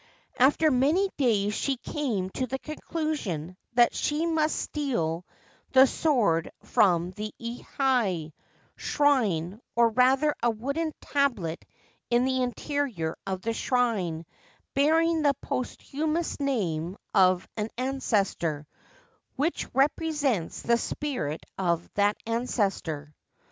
After many days she came to the conclusion that she must steal the sword from the Ihai (shrine — or rather a wooden tablet in the interior of the shrine, bearing the posthumous name of an ancestor, which represents the spirit of that ancestor).